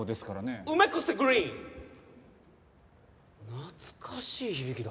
懐かしい響きだ。